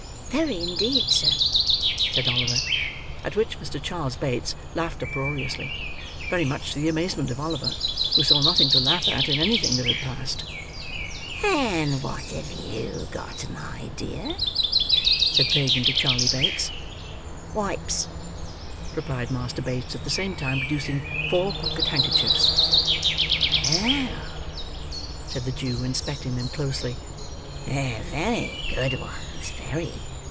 "Very indeed, sir," said Oliver. At which Mr. Charles Bates laughed uproariously; very much to the amazement of Oliver, who saw nothing to laugh at, in anything that had passed. "And what have you got, my dear?" said Fagin to Charley Bates. "Wipes," replied Master Bates; at the same time producing four pocket handkerchiefs. "Well," said the Jew, inspecting them closely; "they're very good ones, very.